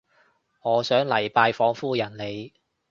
我想嚟拜訪夫人你